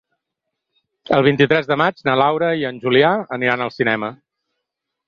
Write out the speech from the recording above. El vint-i-tres de maig na Laura i en Julià aniran al cinema.